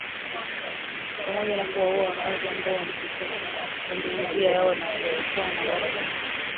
Pamoja na kuwaua wakaazi ambao walipita kwenye njia yao na kuyachoma magari sita.